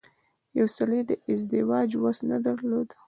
يوه سړي د ازدواج وس نه درلود.